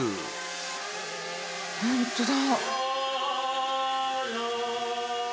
本当だ！